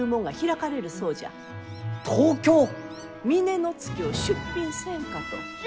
峰乃月を出品せんかと。